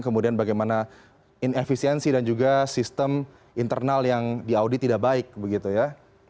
kemudian bagaimana inefisiensi dan juga sistem internal yang diaudit tidak baik begitu ya